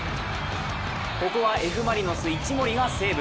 ここはＦ・マリノス一森がセーブ。